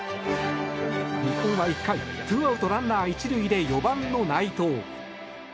日本は１回２アウトランナー１塁で４番の内藤。